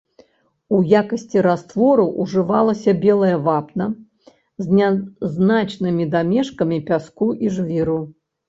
У якасці раствору ўжывалася белая вапна з нязначнымі дамешкамі пяску і жвіру.